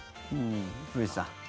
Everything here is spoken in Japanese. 古市さん。